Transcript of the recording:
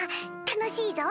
楽しいぞ？